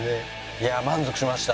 いやあ満足しました。